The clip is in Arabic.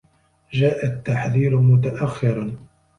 جاء التحذير متأخرا.